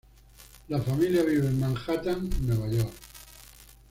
La familia vive en Manhattan, Nueva York.